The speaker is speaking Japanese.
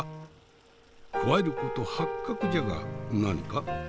加えること八角じゃが何か？